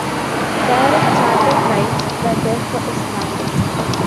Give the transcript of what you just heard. Direct charter flights were therefore established.